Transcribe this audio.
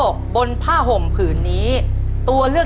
ขอเชิญแสงเดือนมาต่อชีวิต